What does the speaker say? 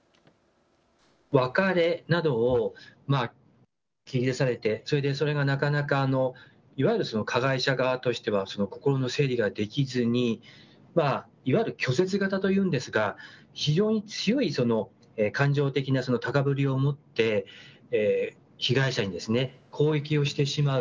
別れなどを切り出されて、それがなかなか、いわゆる加害者側としては心の整理ができずに拒絶型というんですが、非常に強い感情的な高ぶりを持って被害者に攻撃をしてしまう。